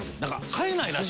買えないらしい。